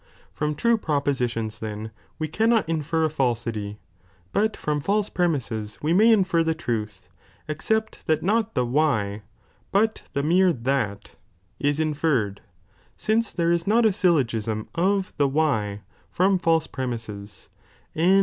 From true propositions then we cannot infer a, falsity, but from false premises we may infer the truth, except that not the why,' 'i,^°' f'^'^''' but the more that (is inferred), since there is not JS*"fL^I|l^ • sylk^sm of the why from false premises, and Avm.